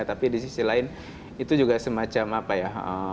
tapi di sisi lain itu juga semacam apa ya